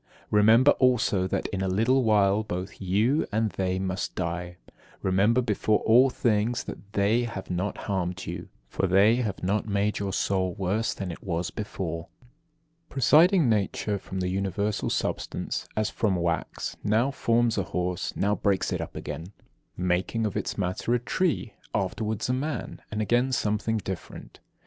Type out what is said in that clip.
Remember also that in a little while both you and they must die: remember before all things that they have not harmed you, for they have not made your soul worse than it was before. 23. Presiding nature from the universal substance, as from wax, now forms a horse, now breaks it up again, making of its matter a tree, afterwards a man, and again something different.